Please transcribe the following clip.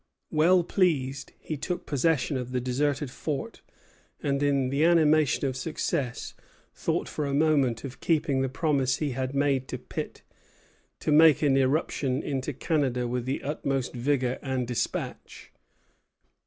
Well pleased, he took possession of the deserted fort, and, in the animation of success, thought for a moment of keeping the promise he had given to Pitt "to make an irruption into Canada with the utmost vigor and despatch."